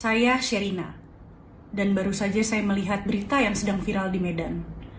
saya sherina dan baru saja saya melihat berita yang sedang viral di medan